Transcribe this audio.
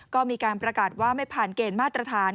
ก็มีการประกาศว่าไม่ผ่านเกณฑ์มาตรฐาน